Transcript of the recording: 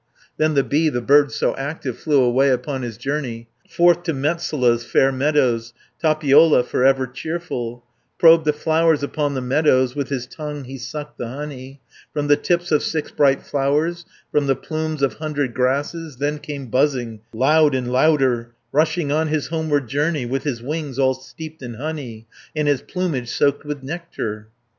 Then the bee, the bird so active, Flew away upon his journey, Forth to Metsola's fair meadows, Tapiola, for ever cheerful, Probed the flowers upon the meadows, With his tongue he sucked the honey From the tips of six bright flowers, From the plumes of hundred grasses, 410 Then came buzzing loud and louder, Rushing on his homeward journey, With his wings all steeped in honey, And his plumage soaked with nectar.